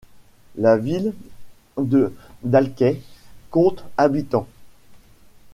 La ville de Dalkey compte habitants.